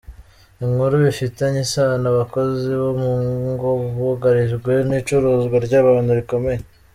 Inkuru bifitanye isano Abakozi bo mu ngo bugarijwe n’icuruzwa ry’abantu rikomeye.